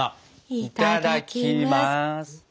いただきます！